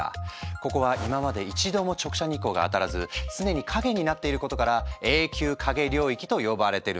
ここは今まで一度も直射日光が当たらず常に影になっていることから「永久影領域」と呼ばれてるのよ。